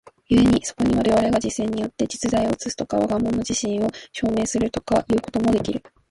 故にそこに我々が実践によって実在を映すとか、物が物自身を証明するとかいうこともできる。